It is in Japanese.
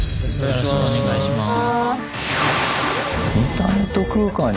よろしくお願いします。